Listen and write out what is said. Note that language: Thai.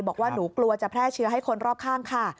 บอกว่าหนูกลัวจะแพร่เชื้อให้คนรอบข้างค่ะ